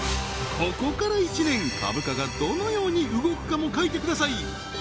ここから一年株価がどのように動くかも書いてください